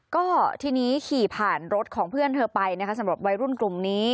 ก็ทีนี้ขี่ผ่านรถของเพื่อนเธอไปนะคะสำหรับวัยรุ่นกลุ่มนี้